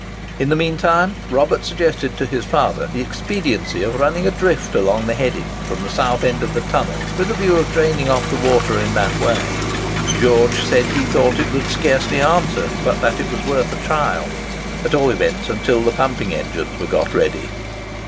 In the mean time, Robert suggested to his father the expediency of running a drift along the heading from the south end of the tunnel, with the view of draining off the water in that way. George said he thought it would scarcely answer, but that it was worth a trial, at all events until the pumping engines were got ready.